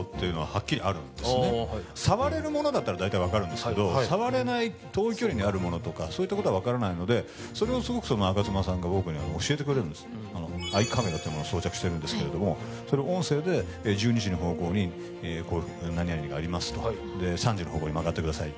触れるものだったら大体わかるんですけど触れない遠い距離にあるものとかそういったことはわからないのでそれをすごく吾妻さんが僕に教えてくれるんですアイカメラというものを装着してるんですけれどもそれを音声で１２時の方向に○○がありますと３時の方向に曲がってください